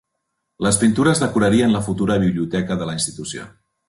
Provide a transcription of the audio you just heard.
Les pintures decorarien la futura biblioteca de la institució.